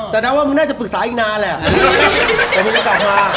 แต่เราว่ามิน่าจะปรึกษาอีกนานแหล่ะ